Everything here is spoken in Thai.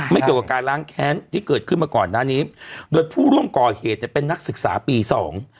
เกี่ยวกับการล้างแค้นที่เกิดขึ้นมาก่อนหน้านี้โดยผู้ร่วมก่อเหตุเนี่ยเป็นนักศึกษาปีสอง